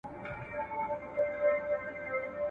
شپې له اوښکو سره رغړي ورځي وړي د عمر خښتي !.